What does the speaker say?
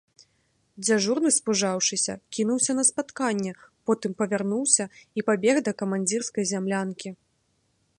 Дзяжурны, спужаўшыся, кінуўся на спатканне, потым павярнуўся і пабег да камандзірскай зямлянкі.